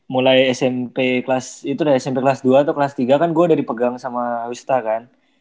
mulai smp kelas itu dari smp kelas dua atau kelas tiga kan gue udah dipegang sama wista kan